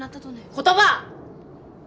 言葉！